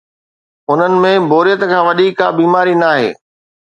انهن ۾ بوريت کان وڏي ڪا به بيماري ناهي.